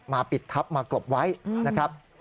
ปิดทับมากลบไว้นะครับ